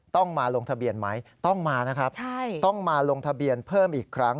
ต้องมาลงทะเบียนไหมต้องมานะครับต้องมาลงทะเบียนเพิ่มอีกครั้ง